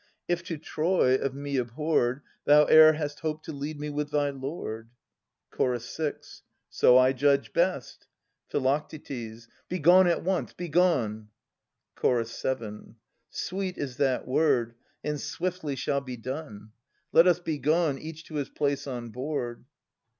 If to Troy, of me abhorred. Thou e'er hast hoped to lead me with thy lord. Ch. 6. So I judge best. Phi. Begone at once, begone! Ch. 7. Sweet is that word, and swiftly shall be done! Let us be gone, each to his place on board.